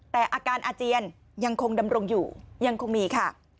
แต่อาการอาเจียนยังคงดำรงอยู่ยังคงมีค่ะ